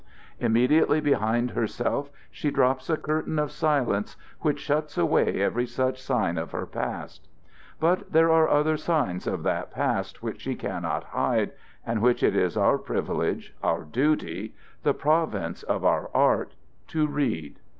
Immediately behind herself she drops a curtain of silence which shuts away every such sign of her past. But there are other signs of that past which she cannot hide and which it is our privilege, our duty, the province of our art, to read.